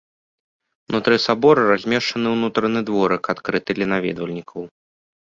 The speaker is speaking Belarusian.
Унутры сабора размешчаны ўнутраны дворык, адкрыты для наведвальнікаў.